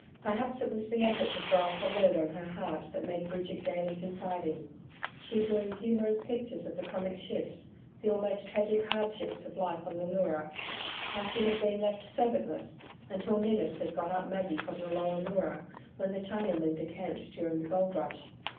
Perhaps it was the effort to throw off the load on her heart that made Bridget gaily confiding. She drew humorous pictures of the comic shifts, the almost tragic hardships of life on the Leura how she had been left servantless until Ninnis had got up Maggie from the Lower Leura when the Chinamen decamped during the gold rush.